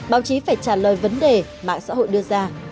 báo chí phải trả lời vấn đề mạng xã hội đưa ra